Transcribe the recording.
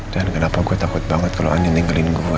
dan kenapa gue takut banget kalau andin tinggalin gue ya